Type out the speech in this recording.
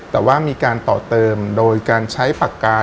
แต่ว่ามีการต่อเติมโดยการใช้ปากกา